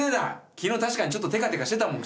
昨日確かにちょっとテカテカしてたもん唇。